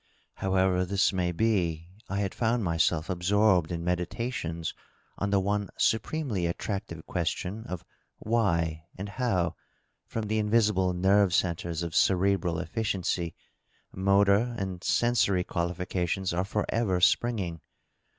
How ever this may be, I had found myself absorbed in meditations on the one supremely attractive question of why and how, from the invisible DOUGLAS DUANE. 663 nerve centres of cerebral efficiencv, motor and sensory analifications are forever springing.